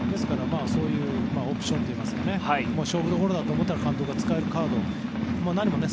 オプションといいますか勝負どころだと思ったら監督は使えるカードはね。